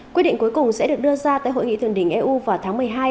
quyết định cuối cùng sẽ được đưa ra tại hội nghị thượng đỉnh eu vào tháng một mươi hai